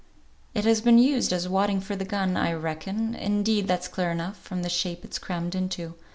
"It has been used as wadding for the gun, I reckon; indeed, that's clear enough, from the shape it's crammed into.